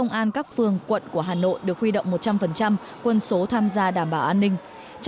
ngoài ra hơn ba trăm linh nút giao thông quân số tham gia đảm bảo an ninh